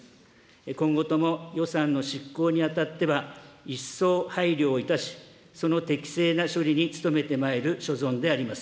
今後とも予算の執行にあたっては、一層配慮をいたし、その適正な処理に努めてまいる所存であります。